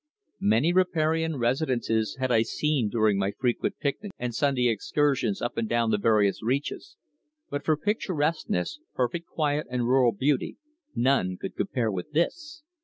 Many riparian residences had I seen during my frequent picnics and Sunday excursions up and down the various reaches, but for picturesqueness, perfect quiet and rural beauty, none could compare with this.